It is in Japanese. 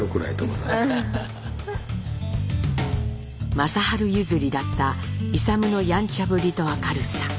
正治譲りだった勇のやんちゃぶりと明るさ。